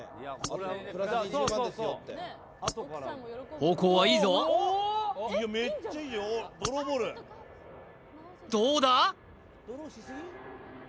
方向はいいぞどうだ？